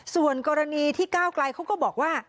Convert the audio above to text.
ส่วนกรณีที่ก้าวไกลเขาก็บอกว่า